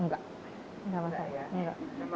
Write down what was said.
enggak enggak masak